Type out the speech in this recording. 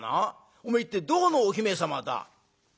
おめえ一体どこのお姫様だ？」。